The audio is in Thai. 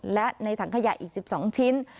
และในถังขยะอีก๑๒ชิ้น